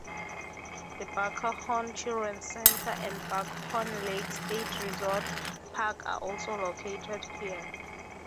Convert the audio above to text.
The Buckhorn Children's Center and Buckhorn Lake State Resort Park are also located here.